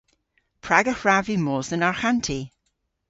Prag y hwrav vy mos dhe'n arghanti?